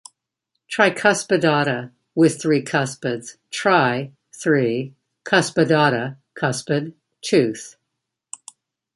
'Tricuspidata' 'with three cuspids' 'tri' - 'three', 'cuspidata' - 'cuspid', 'tooth'.